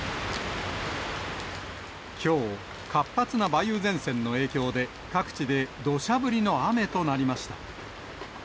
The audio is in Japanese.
きょう、活発な梅雨前線の影響で、各地でどしゃ降りの雨となりました。